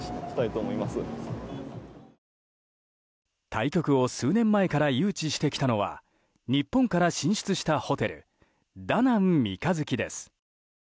対局を数年前から誘致してきたのは日本から進出したホテルダナン三日月です。